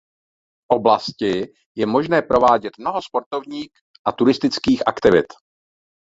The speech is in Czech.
V oblasti je možné provádět mnoho sportovních a turistických aktivit.